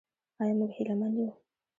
آیا موږ هیله مند یو؟